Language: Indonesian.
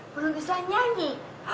belum bisa nyanyi